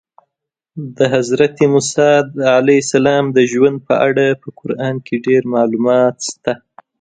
د حضرت موسی د ژوند په اړه په قرآن کې ډېر معلومات شته.